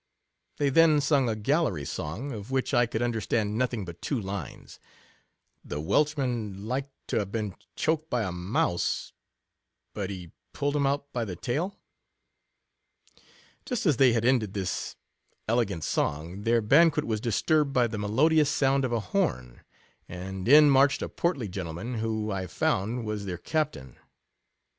They then sung a gallery song, of which I could under stand nothing but two lines : (t The Welshman lik'd to have been chokM by a mouse, But he puird him out by the tail." Just as they had ended this elegant song, their banquet was disturbed by the melodious sound of a horn, and in marched a portly gentleman, who, I found, was their captain.